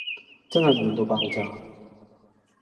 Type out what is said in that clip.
真係悶到爆炸